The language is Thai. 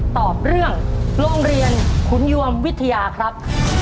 ตอบเรื่องโรงเรียนขุนยวมวิทยาครับ